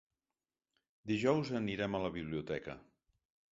Dijous anirem a la biblioteca.